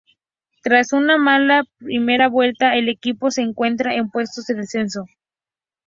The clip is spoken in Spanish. Tras una mala primera vuelta, el equipo se encuentra en puestos de descenso.